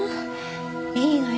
いいのよ。